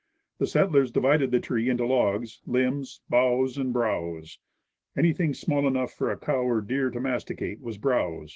The settlers divided the tree into log, limbs, boughs, and browse. Anything small enough for a cow or deer to masticate was browse.